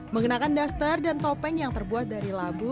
mengenakan duster dan topeng yang terbuat dari labu